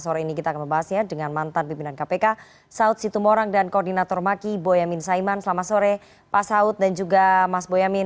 sore ini kita akan membahasnya dengan mantan pimpinan kpk saud situmorang dan koordinator maki boyamin saiman selamat sore pak saud dan juga mas boyamin